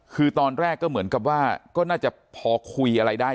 คือตอนแรกก็เหมือนกับว่าก็น่าจะพอคุยอะไรได้